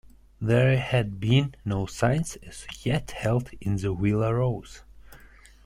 There had been no seance as yet held in the Villa Rose.